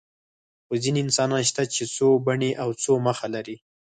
خو ځینې انسانان شته چې څو بڼې او څو مخه لري.